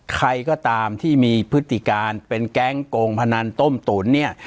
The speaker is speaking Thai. ใครก็ตามที่มีพฤติการเป็นแก๊งโกงพนันต้มตุ๋นเนี่ย